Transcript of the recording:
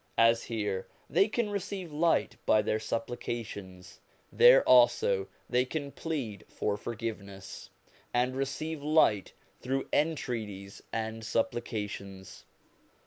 As here they can receive light by their supplications, there also they can plead for forgiveness, and receive light through entreaties and supplications.